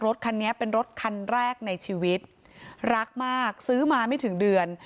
รถคันนี้เป็นรถคันแรกในชีวิตรักมากซื้อมาไม่ถึงเดือน